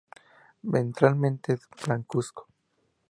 Ventralmente es blancuzco.